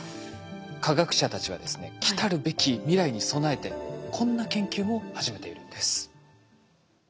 科学者たちはですねきたるべき未来に備えてこんな研究も始めているんです。